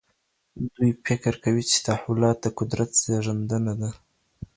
دوی فکر کوي چي تحولات د قدرت زیږنده دي.